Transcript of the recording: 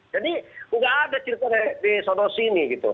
jadi nggak ada cerita di soros ini gitu